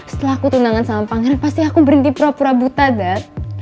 setelah aku tunangan sama pangeran pasti aku berhenti pura pura buta kan